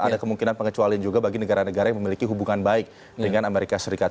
ada kemungkinan pengecualian juga bagi negara negara yang memiliki hubungan baik dengan amerika serikat